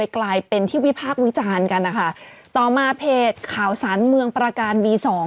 กลายเป็นที่วิพากษ์วิจารณ์กันนะคะต่อมาเพจข่าวสารเมืองประการวีสอง